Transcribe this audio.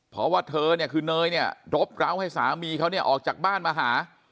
เพราะว่าเธอเนี่ยคือเนยเนี่ยรบร้าวให้สามีเขาเนี่ยออกจากบ้านมาหา